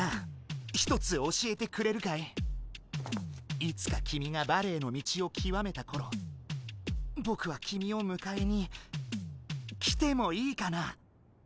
いつか君がバレエの道をきわめたころボクは君をむかえに来てもいいかな。